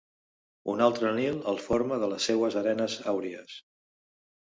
Un altre Nil el forma de les seues arenes àuries.